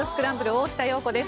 大下容子です。